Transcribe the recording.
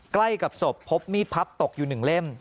ใกล้กับศพพบมีดพับตกอยู่๑เล่ม